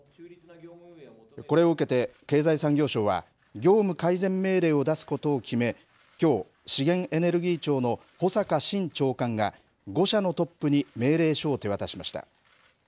これを受けて経済産業省は、業務改善命令を出すことを決め、きょう、資源エネルギー庁の保坂伸長官が、５社のトップに命令書を手渡しました。